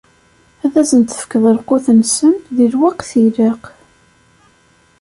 Ad asen-d-tefkeḍ lqut-nsen, di lweqt ilaqen.